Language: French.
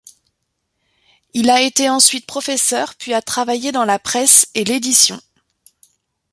Il a été ensuite professeur, puis a travaillé dans la presse et l'édition.